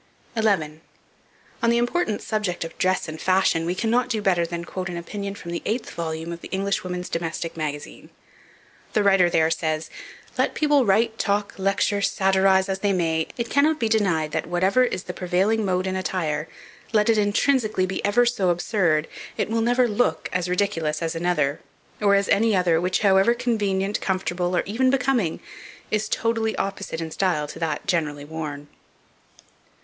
11. ON THE IMPORTANT SUBJECT OF DRESS AND FASHION we cannot do better than quote an opinion from the eighth volume of the "Englishwoman's Domestic Magazine." The writer there says, "Let people write, talk, lecture, satirize, as they may, it cannot be denied that, whatever is the prevailing mode in attire, let it intrinsically be ever so absurd, it will never look as ridiculous as another, or as any other, which, however convenient, comfortable, or even becoming, is totally opposite in style to that generally worn."